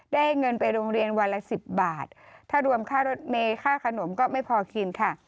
ได้เงินไปโรงเรียนวันละ๑๐บาทถ้ารวมค่ารถเมย์ค่าขนมก็ไม่พอกินค่ะ